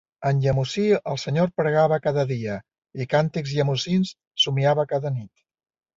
En llemosí al Senyor pregava cada dia, i càntics llemosins somiava cada nit.